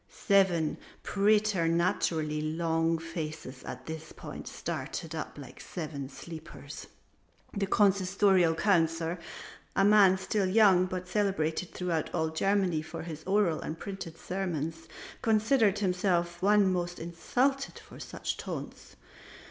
Seven preternaturally long faces at this point started up like the Seven sleepers. The Consistorial Councillor, a man still young but celebrated throughout all Germany for his oral and printed sermons, considered himself the one most insulted by such taunts.